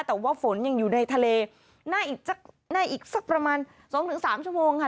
แต่ว่าฝนยังอยู่ในทะเลน่าอีกสักประมาณสองถึงสามชั่วโมงค่ะ